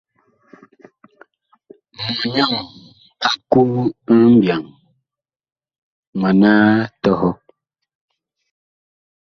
Mɔnyɔŋ a ku mbyaŋ, mana tɔhɔ.